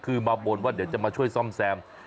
คือมาบนว่าเดี๋ยวจะมาช่วยซ่อมแซม